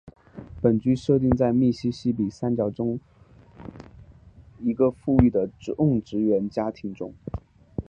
本剧设定在密西西比三角洲的一个富裕的种植园家庭中。